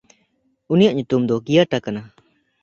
ᱩᱱᱤᱭᱟᱜ ᱧᱩᱛᱩᱢ ᱫᱚ ᱠᱤᱭᱟᱴᱟ ᱠᱟᱱᱟ᱾